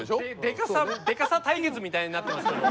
でかさ対決みたいになってますけど。